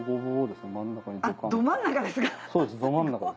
ど真ん中ですか？